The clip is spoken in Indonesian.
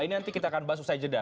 ini nanti kita akan bahas usai jeda